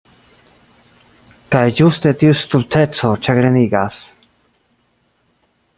Kaj ĝuste tiu stulteco ĉagrenigas.